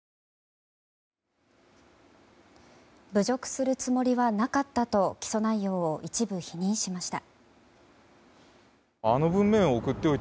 侮辱するつもりはなかったと起訴内容を一部否認しました。